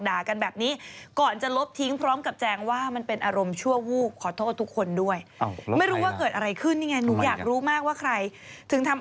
ดีเจอีคนนี้ชื่อมะตูมมะตูมคุณแม่